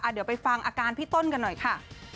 เดี๋ยวไปฟังอาการพี่ต้นกันหน่อยค่ะ